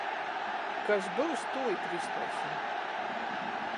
Kas byus, tū i kristeisim.